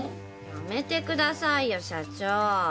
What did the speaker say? やめてくださいよ社長。